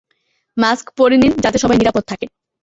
Mask পড়ে নিন যাতে সবাই নিরাপদ থাকে।